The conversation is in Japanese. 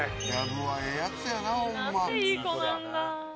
何ていい子なんだ。